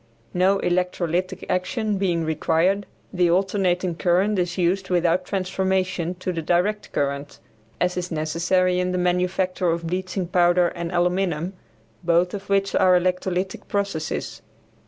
No electrolytic action being required, the alternating current is used without transformation to the direct current, as is necessary in the manufacture of bleaching powder and aluminum, both of which are electrolytic processes.